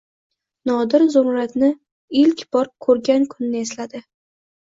Nodir Zumradni ilk bor ko‘rgan kunni esladi.